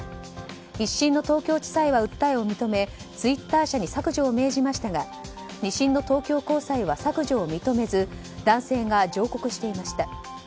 １審の東京地裁は、訴えを認めツイッター社に削除を命じましたが２審の東京高裁は削除を認めず男性が上告していました。